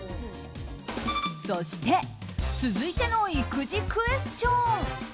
そして、続いての育児クエスチョン。